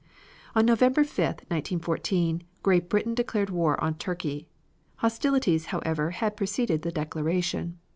On November 5, 1914, Great Britain declared war upon Turkey. Hostilities, however, had preceded the declaration.